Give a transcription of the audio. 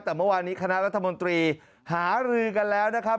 แต่เมื่อวานนี้คณะรัฐมนตรีหารือกันแล้วนะครับ